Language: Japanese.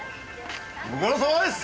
ご苦労さまです！